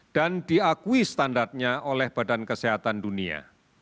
dan diakui standarnya oleh badan kesehatan dunia